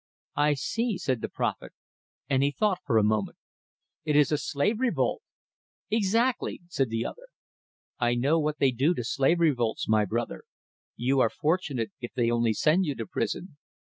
"I see," said the prophet, and he thought for a moment. "It is a slave revolt!" "Exactly," said the other. "I know what they do to slave revolts, my brother. You are fortunate if they only send you to prison."